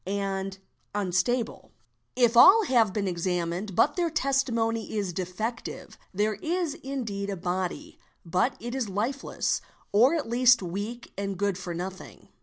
GENERAL CONSIDERATIONS 53 unstable; if all have been examined but their testimony is defective, | there is indeed a body, but it is lifeless or at least weak and good for nothing.